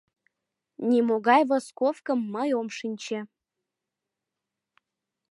— Нимогай восковкым мый ом шинче.